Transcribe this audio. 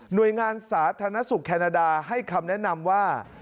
โดยงานสาธารณสุขแคนาดาให้คำแนะนำว่า